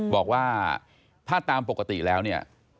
บอกว่าถ้าตามปกติแล้วเนี่ย